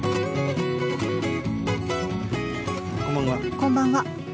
こんばんは。